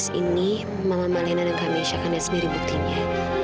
tes ini mama malena dan khamisah kan yang sendiri buktinya